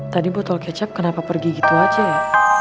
tadi botol kecap kenapa pergi gitu aja ya